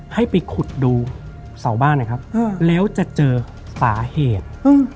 ให้ไปขุดดูเสาบ้านนะครับแล้วจะเจอสาเหตุ